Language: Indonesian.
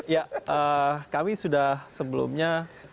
ya kami sudah sebelumnya